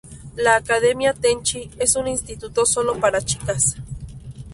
La Academia Tenchi es un instituto solo para chicas.